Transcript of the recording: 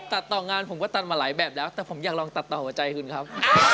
ต่องานผมก็ตัดมาหลายแบบแล้วแต่ผมอยากลองตัดต่อหัวใจคุณครับ